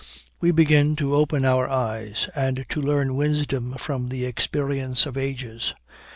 We begin to open our eyes, and to learn wisdom from the experience of ages.